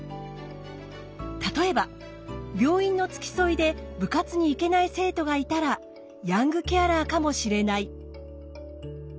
例えば病院の付き添いで部活に行けない生徒がいたらヤングケアラーかもしれない。